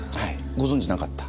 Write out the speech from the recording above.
ご存じなかった？